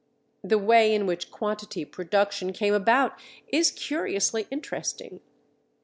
The way in which "quantity production" came about is curiously interesting.